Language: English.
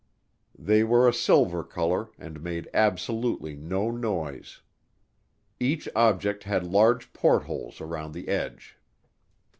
They were a silver color and made absolutely no noise. Each object had large portholes around the edge.